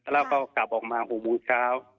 แล้วก็กลับออกมา๖โมงเช้า